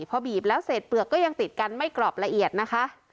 พอบีบแล้วเสร็จเปลือกก็ยังติดกันไม่กรอบละเอียดนะคะ